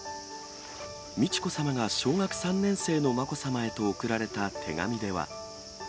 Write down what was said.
美智子さまが小学３年生のまこさまへとおくられた手紙では。